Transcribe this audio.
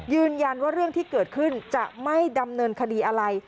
ยืนยันว่าเรื่องที่เกิดขึ้นจะไม่ดำเนินคดีอะไร